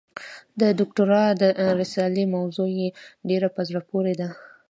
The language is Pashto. د دوکتورا د رسالې موضوع یې ډېره په زړه پورې ده.